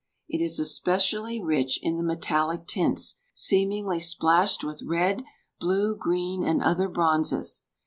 It is especially rich in the metallic tints, seemingly splashed with red, blue, green, and other bronzes.